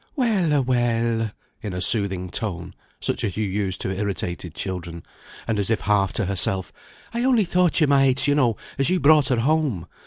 "Well a well!" (in a soothing tone, such as you use to irritated children), and as if half to herself, "I only thought you might, you know, as you brought her home.